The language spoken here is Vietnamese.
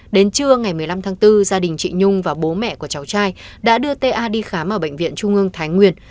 đến trưa ngày một mươi năm tháng bốn gia đình chị nhung và bố mẹ của cháu trai đã đưa ta đi khám ở bệnh viện trung ương thái nguyên